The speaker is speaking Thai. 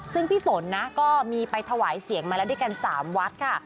ซึ่งพี่ฝนนะก็มีไปถวายเสียงมาแล้วด้วยกัน๓วัดค่ะ